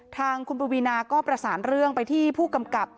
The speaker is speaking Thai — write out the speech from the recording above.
ทางคุณปวีนาก็ประสานเรื่องไปที่ผู้กำกับ